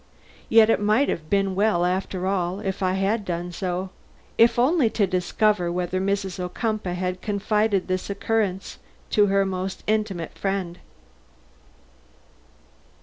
Yet it might have been well, after all, if I had done so, if only to discover whether Mrs. Ocumpaugh had confided this occurrence to her most intimate friend.